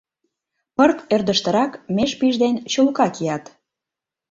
Пырт ӧрдыжтырак меж пиж ден чулка кият.